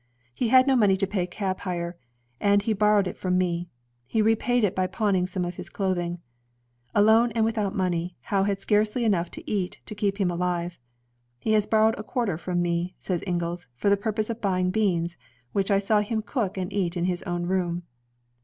He had no money to pay cab hire, and he borrowed it from me. He repaid it by pawning some of his clothing." Alone and without money, Howe had scarcely enough to eat to keep him alive. "He has borrowed a quarter from me," says Inglis, "for the purpose of buying beans, which I saw him cook and eat in his own room."